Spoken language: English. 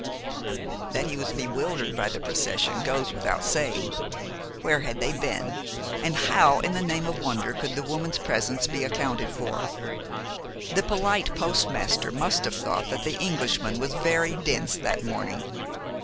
That he was bewildered by the procession goes without saying. Where had they been, and how in the name of wonder could the woman's presence be accounted for? The polite postmaster must have thought that the Englishman was very dense that morning.